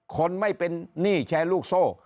คนไม่เป็นหนี้แชร์ลูกโซ่